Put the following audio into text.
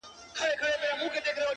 o د دوى دا هيله ده چي؛